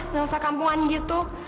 nggak usah kampungan gitu